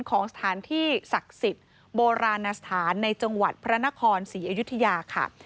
ของสถานที่ศักดิ์สิทธิ์โบราณสถานในจังหวัดพระนครศรีอยุธยาค่ะ